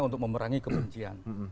untuk memerangi kebencian